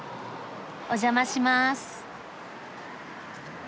お邪魔します。